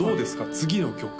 次の曲